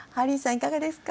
いかがですか？